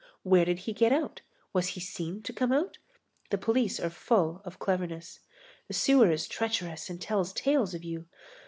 Where did he get out? Was he seen to come out? The police are full of cleverness. The sewer is treacherous and tells tales of you.